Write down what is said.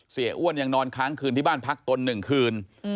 อ้วนยังนอนค้างคืนที่บ้านพักตน๑คืน